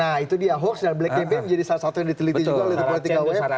nah itu dia hoax dan black campaign menjadi salah satu yang diteliti juga oleh politika um